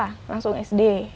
mereka langsung sd